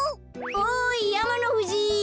おいやまのふじ